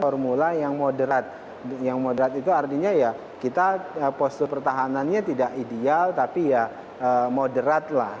formula yang moderat yang moderat itu artinya ya kita postur pertahanannya tidak ideal tapi ya moderat lah